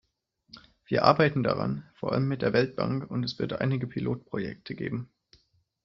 Wir arbeiten daran, vor allem mit der Weltbank, und es wird einige Pilotprojekte geben.